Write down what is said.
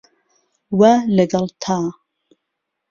وه لەگەڵ تا